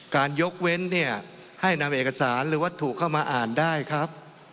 ยกเว้นเนี่ยให้นำเอกสารหรือวัตถุเข้ามาอ่านได้ครับ